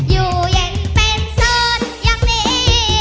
อยู่ยังเป็นโซนอย่างนี้